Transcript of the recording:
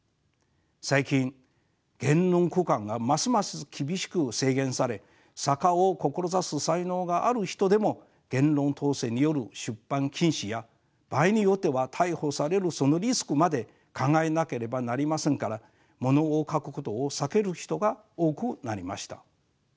最近言論空間がますます厳しく制限され作家を志す才能がある人でも言論統制による出版禁止や場合によっては逮捕されるそのリスクまで考えなければなりませんからものを書くことを避ける人が多くなりました。